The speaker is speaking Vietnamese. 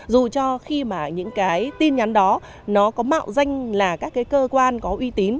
dù cho khi mà những cái tin nhắn đó nó có mạo danh là các cái cơ quan có uy tín